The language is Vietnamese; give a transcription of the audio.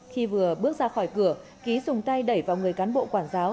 khi vừa bước ra khỏi cửa ký dùng tay đẩy vào người cán bộ quản giáo